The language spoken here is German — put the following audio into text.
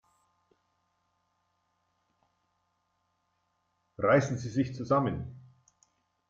Reißen Sie sich zusammen!